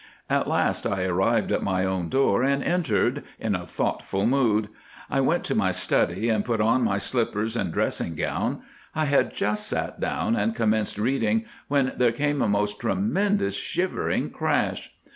"At last I arrived at my own door, and entered—in a thoughtful mood. I went to my study and put on my slippers and dressing gown. I had just sat down and commenced reading when there came a most tremendous shivering crash.